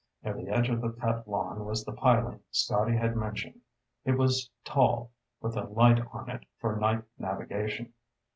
Near the edge of the cut lawn was the piling Scotty had mentioned. It was tall, with a light on it for night navigation.